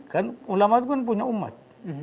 kan ulama itu kan punya umat